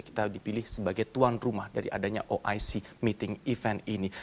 kita dipilih sebagai tuan rumah dari adanya oic meeting event ini